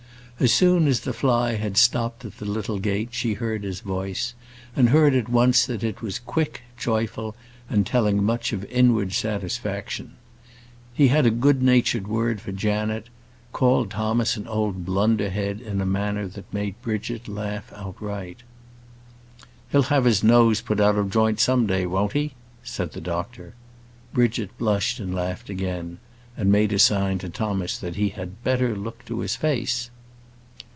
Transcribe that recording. As soon as the fly had stopped at the little gate she heard his voice, and heard at once that it was quick, joyful, and telling much of inward satisfaction. He had a good natured word for Janet, and called Thomas an old blunder head in a manner that made Bridget laugh outright. "He'll have his nose put out of joint some day; won't he?" said the doctor. Bridget blushed and laughed again, and made a sign to Thomas that he had better look to his face.